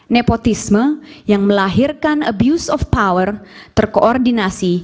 nepotisme yang melahirkan abuse of power terkoordinasi